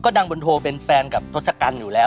ดังบนโทเป็นแฟนกับทศกัณฐ์อยู่แล้ว